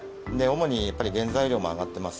主にやっぱり、原材料も上がってます。